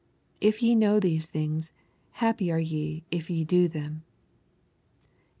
If ye know these things, happy are ye if ye do them.' MR.